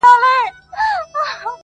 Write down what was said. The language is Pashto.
زولانه د خپل ازل یمه معذور یم٫